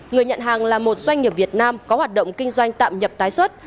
người nhận hàng là một doanh nghiệp việt nam có hoạt động kinh doanh tạm nhập tái xuất